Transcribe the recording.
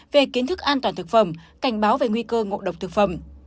về kiến thức an toàn thực phẩm cảnh báo về nguy cơ ngộ độc thực phẩm